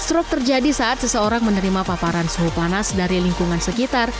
stroke terjadi saat seseorang menerima paparan suhu panas dari lingkungan sekitar